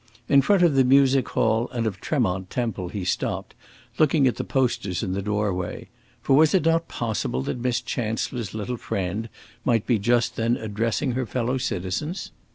In front of the Music Hall and of Tremont Temple he stopped, looking at the posters in the doorway; for was it not possible that Miss Chancellor's little friend might be just then addressing her fellow citizens?